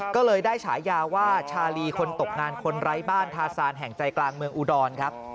ก็เลยได้ฉายาว่าชาลีคนตกงานคนไร้บ้านทาซานแห่งใจกลางเมืองอุดรครับ